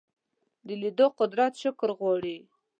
د لیدلو قدرت شکر غواړي